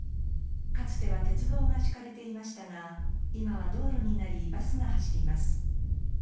かつては鉄道が敷かれていましたが今は道路になりバスが走ります。